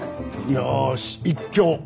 よし一興。